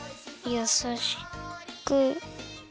やさしく。